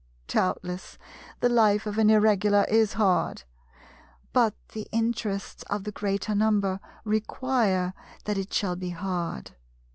Doubtless, the life of an Irregular is hard; but the interests of the Greater Number require that it shall be hard.